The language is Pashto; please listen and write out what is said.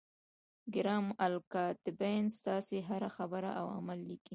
کرام الکاتبین ستاسو هره خبره او عمل لیکي.